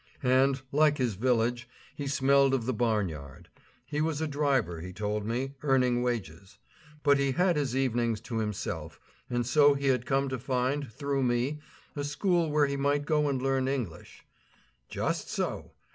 And, like his village, he smelled of the barn yard. He was a driver, he told me, earning wages. But he had his evenings to himself; and so he had come to find, through me, a school where he might go and learn English. Just so!